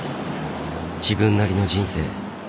自分なりの人生。